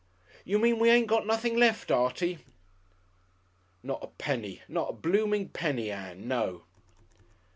"You mean we ain't got nothin' left, Artie?" "Not a penny! Not a bloomin' penny, Ann. No!"